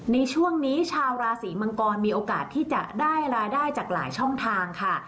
ในช่วงนี้ชาวราศีมังกรมีโอกาสที่จะได้รายได้จากหลายช่องทางค่ะ